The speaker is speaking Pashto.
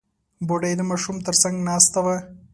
بوډۍ د ماشوم تر څنګ ناسته وه.